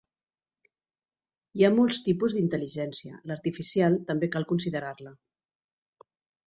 Hi ha molts tipus d'intel·ligència, l'artificial també cal considerar-la.